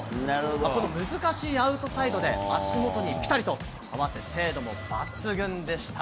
この難しいアウトサイドで足元にぴたりと合わせて、精度も抜群でした。